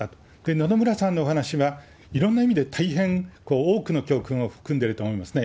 野々村さんのお話は、いろんな意味で大変多くの教訓を含んでると思いますね。